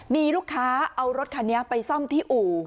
มีลูกค้าเอารถคันนี้ไปซ่อมที่อู่